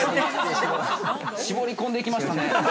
◆絞り込んでいきましたね。